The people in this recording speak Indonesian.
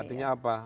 jadi artinya apa